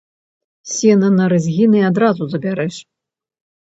Сена на рэзгіны адразу забярэш.